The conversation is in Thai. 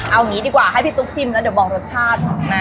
เอางี้ดีกว่าให้พี่ตุ๊กชิมแล้วเดี๋ยวบอกรสชาติของแม่